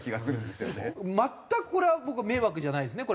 全くこれは僕は迷惑じゃないですね